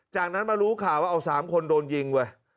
จากนั้นมารู้ข่าวว่าเอา๓คนโดนยิงเว้ย